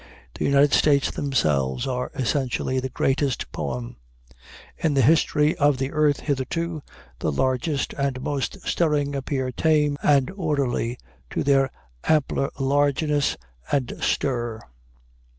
The United States themselves are essentially the greatest poem. In the history of the earth hitherto, the largest and most stirring appear tame and orderly to their ampler largeness and stir.